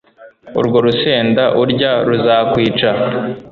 urwo rusenda urya ruzakwica